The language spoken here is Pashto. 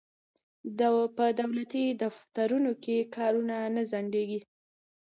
په دولتي دفترونو کې کارونه نه ځنډیږي.